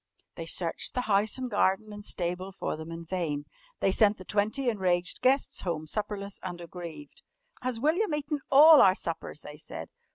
_" They searched the house and garden and stable for them in vain. They sent the twenty enraged guests home supperless and aggrieved. "Has William eaten all our suppers?" they said.